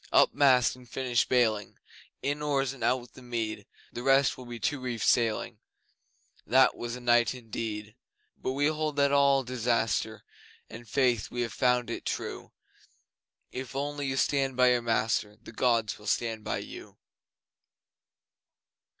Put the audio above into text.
Up mast, and finish baling In oars, and out with the mead The rest will be two reef sailing... That was a night indeed! But we hold that in all disaster (And faith, we have found it true!) If only you stand by your master, The Gods will stand by you!